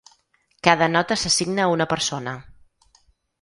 Cada nota s'assigna a una persona.